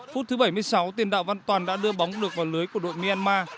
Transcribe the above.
phút thứ bảy mươi sáu tiền đạo văn toàn đã đưa bóng được vào lưới của đội myanmar